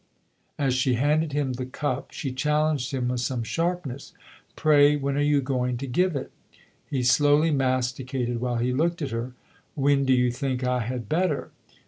As she handed him the cup she challenged him with some sharpness. " Pray, when are you going to give it ?" He slowly masticated while he looked at her. " When do you think I had better